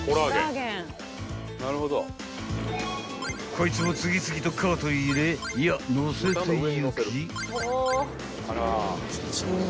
［こいつも次々とカートへ入れいや載せていき］